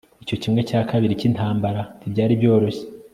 Icyo kimwe cya kabiri cyintambara ntibyari byoroshye